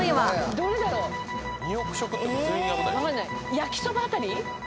焼そばあたり？